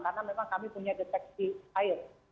karena memang kami punya deteksi air